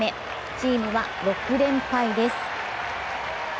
チームは６連敗です。